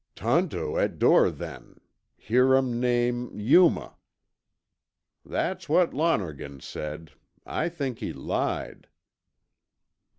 "Tonto at door, then. Hear um name, 'Yuma.'" "That's what Lonergan said. I think he lied."